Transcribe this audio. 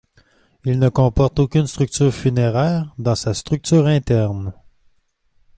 Il ne comporte aucune structure funéraire dans sa structure interne.